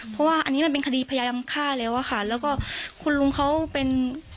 เพราะว่าอันนี้มันเป็นคดีพยายามฆ่าแล้วอะค่ะแล้วก็คุณลุงเขาเป็น